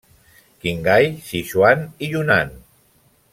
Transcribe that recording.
Qinghai, Sichuan i Yunnan.